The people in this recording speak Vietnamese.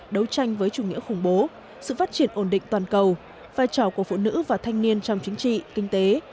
đấu tranh với chủ nghĩa khủng bố sự phát triển ổn định toàn cầu vai trò của phụ nữ và thanh niên trong chính trị kinh tế